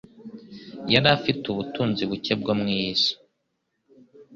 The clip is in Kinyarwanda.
Yari afite ubutunzi buke bwo mu iyi si.